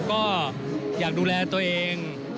ก็อยากดูแลตัวเอง